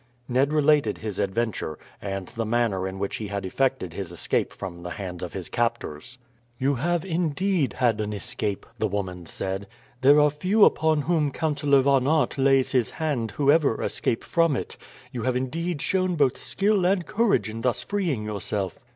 Ned related his adventure, and the manner in which he had effected his escape from the hands of his captors. "You have, indeed, had an escape," the woman said. "There are few upon whom Councillor Von Aert lays his hand who ever escape from it. You have indeed shown both skill and courage in thus freeing yourself."